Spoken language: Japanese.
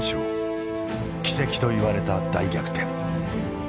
奇跡と言われた大逆転。